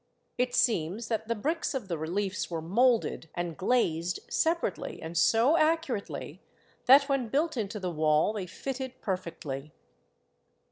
It seems that the bricks of the reliefs were moulded and glazed separately and so accurately that when built into the wall they fitted perfectly.